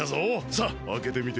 さああけてみて。